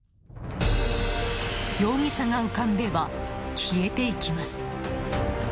容疑者が浮かんでは、消えていきます。